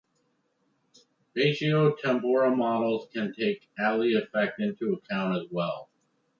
Spatio-temporal models can take Allee effect into account as well.